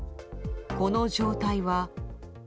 この状態は。